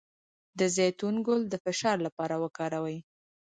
د زیتون ګل د فشار لپاره وکاروئ